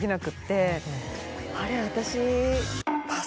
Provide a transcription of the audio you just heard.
あれ私。